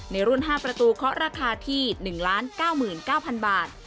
ในรุ่นห้าประตูเคาะราคาที่หนึ่งล้านเก้าหมื่นเก้าพันบาท